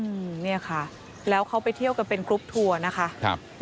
อืมเนี่ยค่ะแล้วเขาไปเที่ยวกันเป็นกรุ๊ปทัวร์นะคะครับ